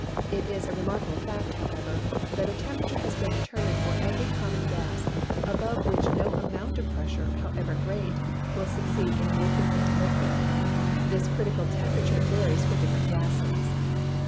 It is a remarkable fact, however, that a temperature has been determined for every common gas above which no amount of pressure, however great, will succeed in making it liquid. This critical temperature varies for different gases.